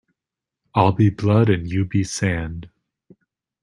I'll be Blood and you be Sand.